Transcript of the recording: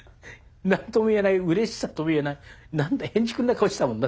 何とも言えないうれしさとも言えないなんかヘンチクリンな顔してたもん